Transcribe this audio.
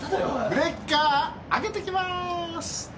ブレーカー上げてきます。